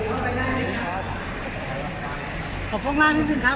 กฎิแลกวงมันมาวันเก็บ